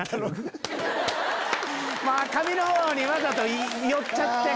髪のほうにわざと寄っちゃって。